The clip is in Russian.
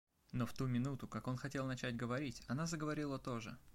Но в ту минуту, как он хотел начать говорить, она заговорила тоже.